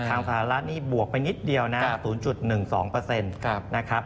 ทางสหรัฐนี่บวกไปนิดเดียวนะ๐๑๒นะครับ